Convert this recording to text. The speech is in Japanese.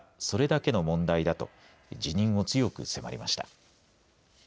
それだけの問題だと辞任を強く迫りました。